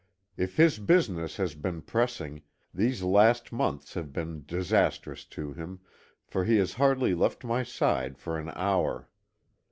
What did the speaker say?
If his business has been pressing, these last months must have been disastrous to him, for he has hardly left my side for an hour.